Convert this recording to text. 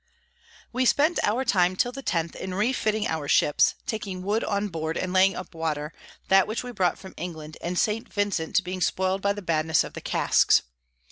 We spent our time till the 10_th_ in refitting our Ships, taking Wood on board, and laying up Water, that which we brought from England and St. Vincent being spoil'd by the badness of the Casks.